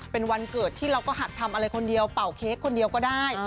เป็นวันเกิดที่เราก็หัดทำอะไรคนเดียวเป่าเค้กคนเดียวก็ได้